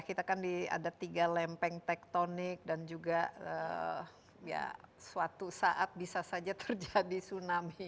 kita kan ada tiga lempeng tektonik dan juga suatu saat bisa saja terjadi tsunami